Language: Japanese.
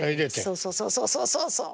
そうそうそうそうそうそうそう。